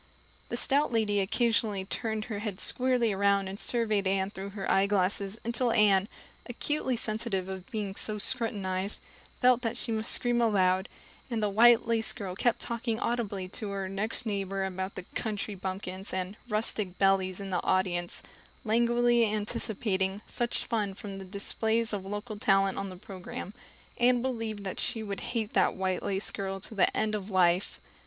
The stout lady occasionally turned her head squarely around and surveyed Anne through her eyeglasses until Anne, acutely sensitive of being so scrutinized, felt that she must scream aloud; and the white lace girl kept talking audibly to her next neighbor about the "country bumpkins" and "rustic belles" in the audience, languidly anticipating "such fun" from the displays of local talent on the program. Anne believed that she would hate that white lace girl to the end of life.